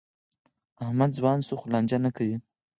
احمد ځوان شو؛ خو لانجه نه کوي.